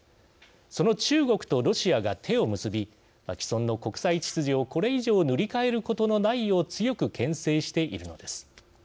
その中国とロシアが手を結び既存の国際秩序をこれ以上塗り替えることのないよう強くけん制しているのです。